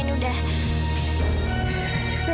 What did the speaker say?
dia sudah nampan